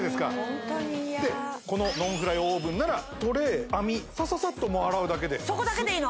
ホントに嫌でこのノンフライオーブンならトレー網サササッと洗うだけでそこだけでいいの？